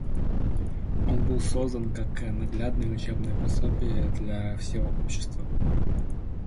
Он был создан как наглядное учебное пособие для всего общества.